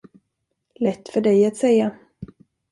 Lätt för dig att säga.